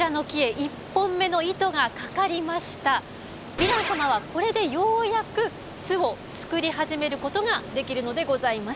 ヴィラン様はこれでようやく巣をつくり始めることができるのでございます。